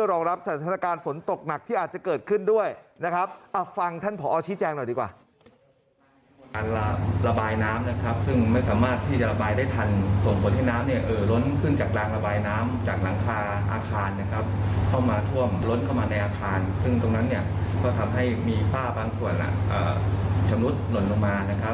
ก็ทำให้มีป้าบางส่วนชมรุดหล่นลงมา